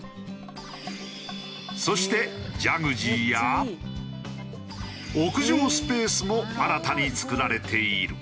そしてジャグジーや屋上スペースも新たに造られている。